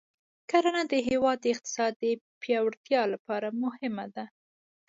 کرنه د هېواد د اقتصاد د پیاوړتیا لپاره مهمه ده.